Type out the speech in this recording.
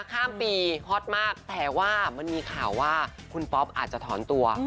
ข้ามปีฮอตมากแต่ว่ามันมีข่าวว่าคุณป๊อปอาจจะถอนตัว